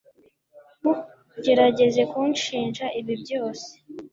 ntugerageze kunshinja ibi byose